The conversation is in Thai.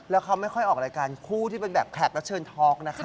แล้วเขาไม่ค่อยออกรายการคู่ที่เป็นแบบแขกรับเชิญท็อกนะคะ